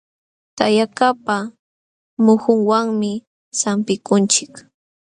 Tayakaqpa muhunwanmi sampikunchik.